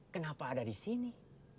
kenapa ada di sini